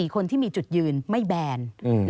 คนที่มีจุดยืนไม่แบน